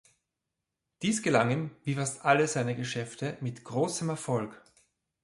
Dies gelang ihm, wie fast alle seine Geschäfte, mit großem Erfolg.